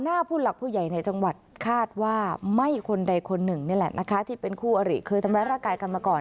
ผู้หลักผู้ใหญ่ในจังหวัดคาดว่าไม่คนใดคนหนึ่งนี่แหละนะคะที่เป็นคู่อริเคยทำร้ายร่างกายกันมาก่อน